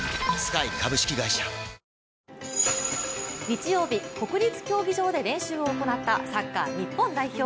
日曜日、国立競技場で練習を行ったサッカー日本代表。